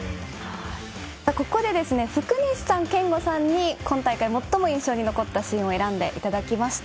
ここで福西さん、憲剛さんに今大会、最も印象に残ったシーンを選んでいただきました。